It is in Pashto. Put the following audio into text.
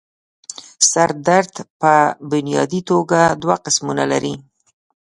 سر درد پۀ بنيادي توګه دوه قسمونه لري